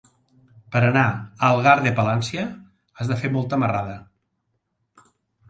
Per anar a Algar de Palància has de fer molta marrada.